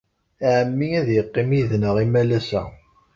Ɛemmi ad yeqqim yid-neɣ imalas-a.